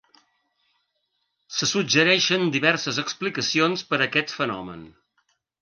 Se suggereixen diverses explicacions per a aquest fenomen.